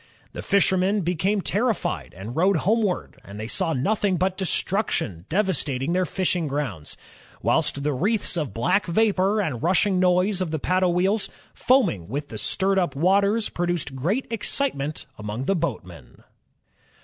The fishermen became terrified and rowed homeward, and they saw nothing but destruction devastating their fishing groimds; whilst the wreaths of black vapor and rushing noise of the paddle wheels, foaming with the stirred up waters, produced great excitement amongst the boatmen."